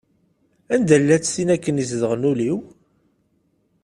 Anda-llatt tin akken i izedɣen ul-iw?